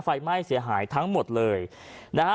ไฟไหม้เสียหายทั้งหมดเลยนะฮะ